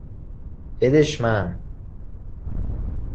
بدش من